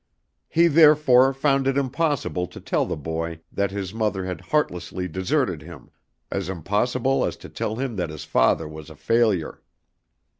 He therefore found it impossible to tell the boy that his mother had heartlessly deserted him, as impossible as to tell him that his father was a failure.